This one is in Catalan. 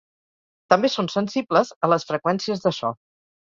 També són sensibles a les freqüències de so.